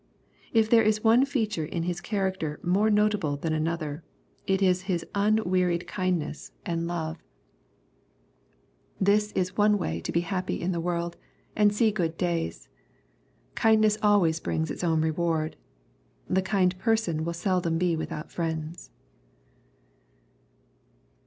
If th^re is one feature in His character more notable than another, it is His unwearied kindness and 202 EXPOSITORY THOUGHTS. love. ^— This is one way to be happy in the world, and see good days. Kindness always brings its own reward. The kind person will seldom be without friends.